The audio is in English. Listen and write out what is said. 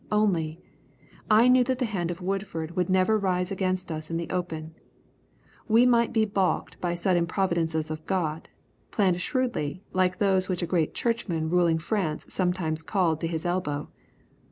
Only, I knew that the hand of Woodford would never rise against us in the open. We might be balked by sudden providences of God, planned shrewdly like those which a great churchman ruling France sometimes called to his elbow.